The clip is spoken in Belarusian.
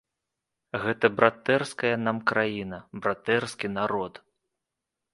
Гэта братэрская нам краіна, братэрскі народ.